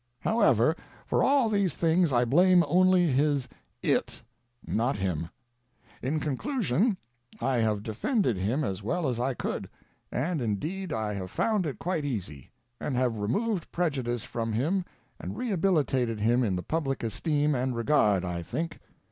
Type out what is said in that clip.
However, for all these things I blame only his It, not him. In conclusion, I have defended him as well as I could, and indeed I have found it quite easy, and have removed prejudice from him and rehabilitated him in the public esteem and regard, I think.